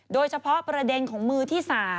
โดยเฉพาะประเด็นของมือที่๓